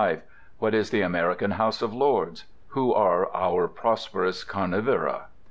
What is the American House of Lords? Who are "our prosperous carnivora"?